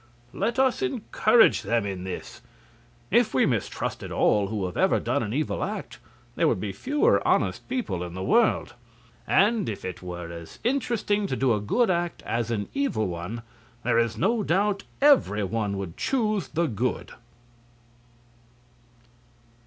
Let us encourage them in this. If we mistrusted all who have ever done an evil act there would be fewer honest people in the world. And if it were as interesting to do a good act as an evil one there is no doubt every one would choose the good."